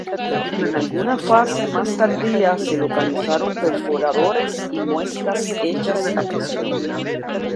En alguna fase más tardía se localizaron perforadores y muescas hechas a presión.